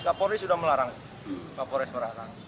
kapolri sudah melarang kapolri sudah melarang